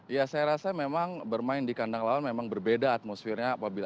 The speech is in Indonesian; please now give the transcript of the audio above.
ya saya rasa memang bermain di kandang lawan memang berbeda atmosfernya